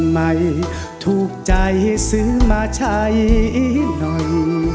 ไม่ถูกใจซื้อมาใช้หน่อย